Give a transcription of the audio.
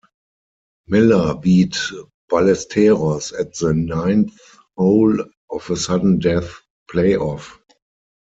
Miller beat Ballesteros at the ninth hole of a sudden-death playoff.